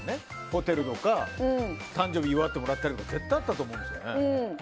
ホテルとか誕生日を祝ってもらったりとか絶対あったと思うんですよね。